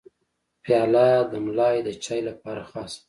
پیاله د ملای د چای لپاره خاصه ده.